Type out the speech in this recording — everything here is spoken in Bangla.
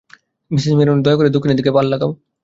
মিসেস মেরিনো দয়া করে দক্ষিণের দিকে পাল লাগাও।